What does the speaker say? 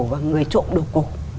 và người trộn đồ cổ